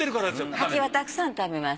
柿はたくさん食べます。